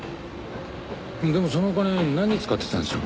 でもそのお金何に使ってたんでしょう？